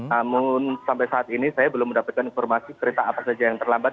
namun sampai saat ini saya belum mendapatkan informasi kereta apa saja yang terlambat